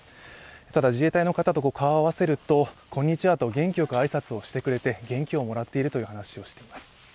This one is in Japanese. ただ自衛隊の方と顔を合わせると、こんにちはと元気よく挨拶をしてくれて元気をもらっているという話をしています。